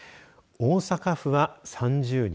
大阪府は、３０人。